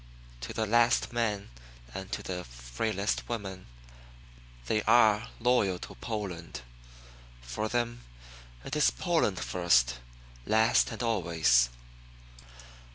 To the last man and to the frailest woman, they are loyal to Poland. For them, it is Poland first, last and always.